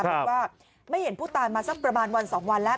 บอกว่าไม่เห็นผู้ตายมาสักประมาณวัน๒วันแล้ว